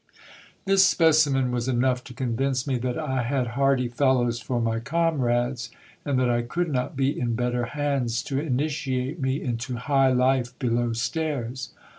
This specimen was enough to convince me that I had hearty fellows for my comrades, and that I could not be in better hands to initiate me into high life below stairs.